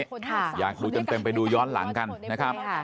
อยากดูเต็มไปดูย้อนหลังกันนะครับ